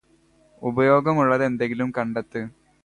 ഉപയോഗമുള്ളത് എന്തെങ്കിലും കണ്ടെത്ത്